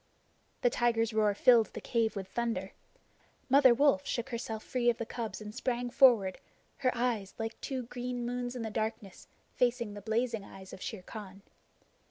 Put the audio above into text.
The tiger's roar filled the cave with thunder. Mother Wolf shook herself clear of the cubs and sprang forward, her eyes, like two green moons in the darkness, facing the blazing eyes of Shere Khan.